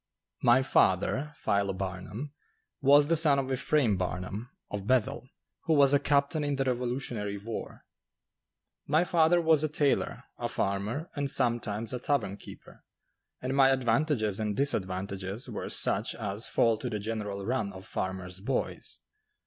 My father, Philo Barnum, was the son of Ephraim Barnum, of Bethel, who was a captain in the revolutionary war. My father was a tailor, a farmer, and sometimes a tavern keeper, and my advantages and disadvantages were such as fall to the general run of farmers' boys.